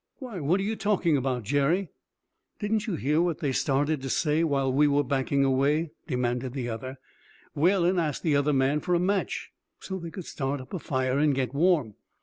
"Why, what are you talking about, Jerry?" "Didn't you hear what they started to say while we were backing away?" demanded the other. "Whalen asked the other man for a match, so they could start up a fire and get warm.